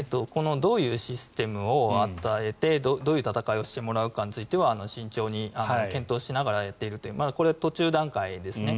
どういうシステムを与えてどういう戦いをしてもらうかについては慎重に検討しながらやっているというこれはまだ途中段階ですね。